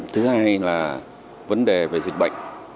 thứ hai là vấn đề về dịch bệnh